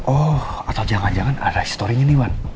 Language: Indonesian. oh atau jangan jangan ada historinya nih wan